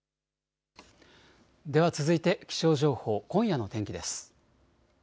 では続いて気象情報、今夜の天気です。